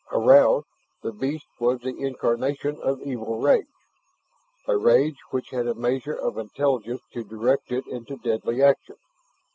Aroused, the beast was the incarnation of evil rage, a rage which had a measure of intelligence to direct it into deadly action.